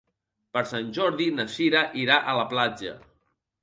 Per Sant Jordi na Sira irà a la platja.